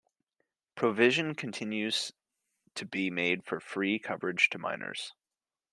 Provision continues to be made for free coverage to minors.